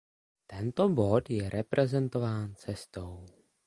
Tento bod je reprezentován cestou.